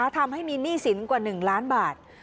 ทำให้มีหนี้สินกว่า๑ล้านบาท